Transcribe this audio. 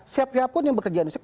siapapun yang bekerja di situ